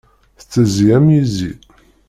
Tettezzi am yizi.